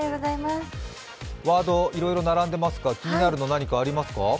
ワードいろいろ並んでますが気になるの何かありますか？